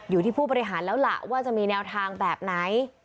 ผู้บริหารแล้วล่ะว่าจะมีแนวทางแบบไหน